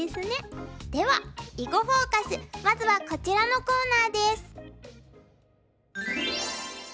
では「囲碁フォーカス」まずはこちらのコーナーです。